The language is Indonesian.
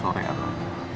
ntar sore atau